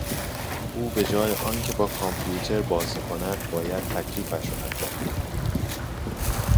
او به جای آن که با کامپیوتر بازی کند، باید تکلیفش را انجام بدهد.